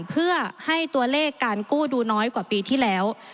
เพื่อให้ตัวเลขการกู้ดูน้อยกว่าปีที่แล้ว